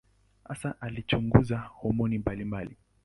Hasa alichunguza homoni mbalimbali.